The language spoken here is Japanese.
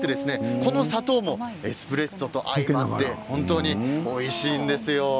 この砂糖もエスプレッソと相まって本当においしいんです。